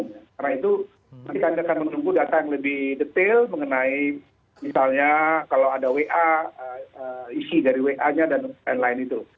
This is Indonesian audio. karena itu nanti kami akan menunggu data yang lebih detail mengenai misalnya kalau ada wa isi dari wa nya dan lain lain itu